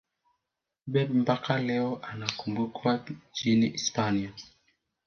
pep mpaka leo anakumbukwa nchini hispania